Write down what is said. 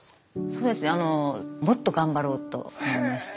そうですねもっと頑張ろうと思いました。